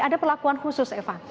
ada perlakuan khusus eva